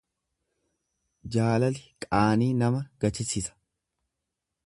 Jaalali qaanii nama gachisisa.